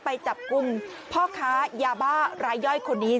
ไปจับกลุ่มพ่อค้ายาบ้ารายย่อยคนนี้